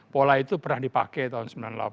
pola itu pernah dipakai tahun sembilan puluh delapan